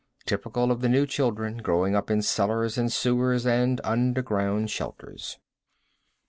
Typical of the new children, growing up in cellars and sewers and underground shelters.